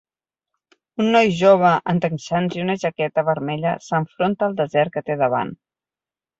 Un noi jove en texans i una jaqueta vermella s'enfronta al desert que té davant.